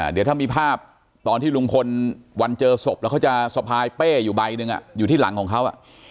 เดี๋ยวถ้ามีภาพตอนที่ลุงพลวันเจอศพแล้วเขาจะสะพายเป้อยู่ใบหนึ่งอยู่ที่หลังของเขา